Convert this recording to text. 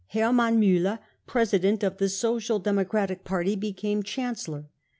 Hermann Muller, president of the Social Democratic party, became Chan cellor.